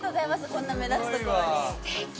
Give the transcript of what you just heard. こんな目立つところにすてき！